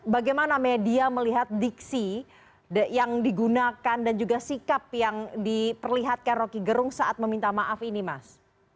bagaimana media melihat diksi yang digunakan dan juga sikap yang diperlihatkan roky gerung saat meminta maaf ini mas